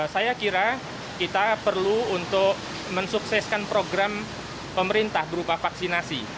saya kira kita perlu untuk mensukseskan program pemerintah berupa vaksinasi